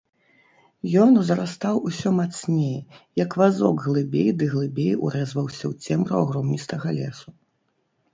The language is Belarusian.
Ён узрастаў усё мацней, як вазок глыбей ды глыбей урэзваўся ў цемру агромністага лесу.